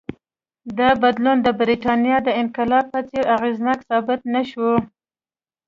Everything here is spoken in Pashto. دا بدلون د برېټانیا د انقلاب په څېر اغېزناک ثابت نه شو.